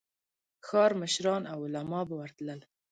ښار مشران او علماء به ورتلل.